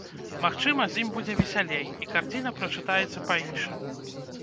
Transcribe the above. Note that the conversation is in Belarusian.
Магчыма, з ім будзе весялей, і карціна прачытаецца па-іншаму.